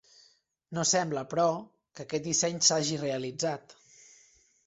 No sembla, però, que aquest disseny s'hagi realitzat.